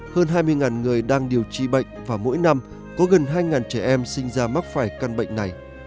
hơn hai mươi người đang điều trị bệnh và mỗi năm có gần hai trẻ em sinh ra mắc phải căn bệnh này